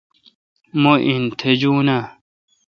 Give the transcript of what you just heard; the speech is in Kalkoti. مہ ان تھجون اؘ۔